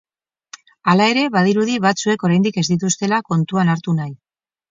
Hala ere, badirudi batzuek oraindik ez dituztela kontuan hartu nahi.